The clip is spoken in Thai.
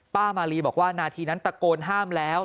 มาลีบอกว่านาทีนั้นตะโกนห้ามแล้ว